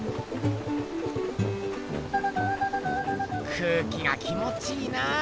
空気が気もちいいな。